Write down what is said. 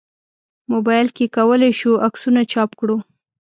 موبایل کې کولای شو عکسونه چاپ کړو.